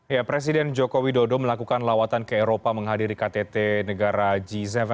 ya presiden joko widodo melakukan lawatan ke eropa menghadiri ktt negara g tujuh